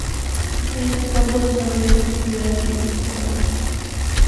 En este campo desarrolla su actividad investigadora.